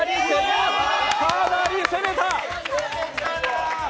かなり攻めた！